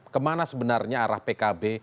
kemana sebenarnya arah pkb